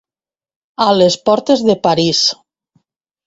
A les portes de París.